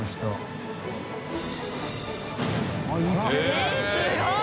えっすごい！